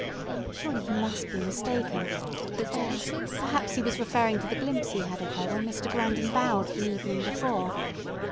Surely he must be mistaken, or—perhaps he was referring to the glimpse he had of her when Mr. Grandon bowed the evening before.